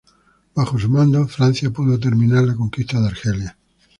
Bajo su mando Francia pudo terminar la conquista de Argelia.